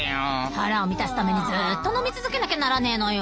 腹を満たすためにずっと飲み続けなきゃならねえのよ。